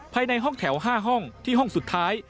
ภายในห้องแถว๕ห้องที่ห้องสุดท้าย